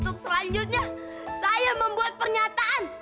untuk selanjutnya saya membuat pernyataan